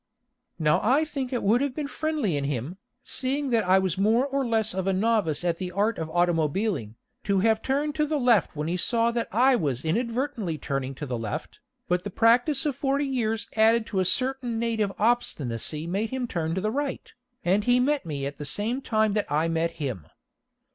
Now I think it would have been friendly in him, seeing that I was more or less of a novice at the art of automobiling, to have turned to the left when he saw that I was inadvertently turning to the left, but the practice of forty years added to a certain native obstinacy made him turn to the right, and he met me at the same time that I met him.